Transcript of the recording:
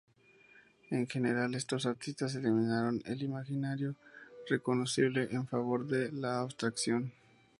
En general, estos artistas eliminaron el imaginario reconocible en favor de la abstracción.